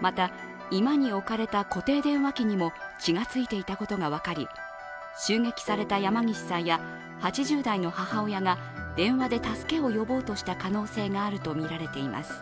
また居間に置かれた固定電話機にも血がついていたことがわかり、襲撃された山岸さんや８０代の母親が電話で助けを呼ぼうとした可能性があるとみられています。